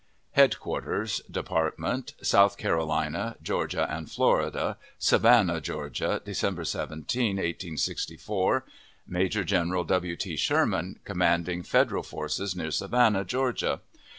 HEADQUARTERS DEPARTMENT SOUTH CAROLINA, GEORGIA AND FLORIDA SAVANNAH, GEORGIA, December 17, 1864 Major General W. T. SHERMAN, commanding Federal Forces near Savannah, Georgia.